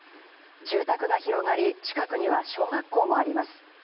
住宅が広がり、近くには小学校もあります。